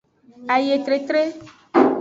Ayetretre.